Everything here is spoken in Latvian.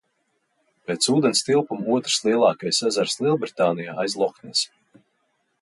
Pēc ūdens tilpuma otrs lielākais ezers Lielbritānijā aiz Lohnesa.